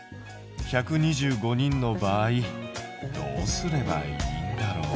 １２５人の場合どうすればいいんだろう？